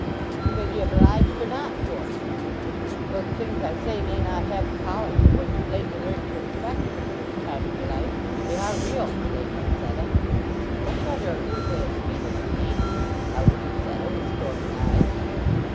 "You may be obliged or not for't. Though the things I say may not have the polish of what you've lately learnt to expect for the first time in your life, they are real, my lady Lucetta." "That's rather a rude way of speaking to me," pouted Lucetta, with stormy eyes.